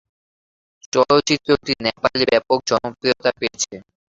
চলচ্চিত্রটি নেপালে ব্যাপক জনপ্রিয়তা পেয়েছিল।